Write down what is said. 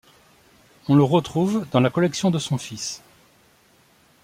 On le retrouve dans la collection de son fils.